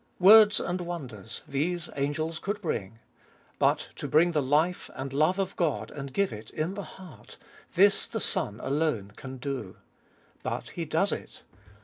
2. Words and wonders, these angels could bring. But to bring the life and the hue of God, and give it in the heart— this the Son alone can do. But He does it.